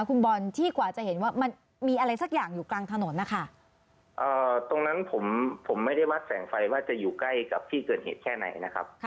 คุณบอลที่กว่าจะเห็นว่ามันมีอะไรสักอย่างอยู่กลางถนนนะคะตรงนั้นผมผมไม่ได้วัดแสงไฟว่าจะอยู่ใกล้กับที่เกิดเหตุแค่ไหนนะครับ